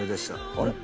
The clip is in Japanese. あれ？